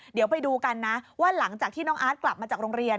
เดี๋ยวไปดูกันนะว่าหลังจากที่น้องอาร์ตกลับมาจากโรงเรียน